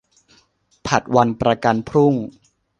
ผัดวันประกันพรุ่ง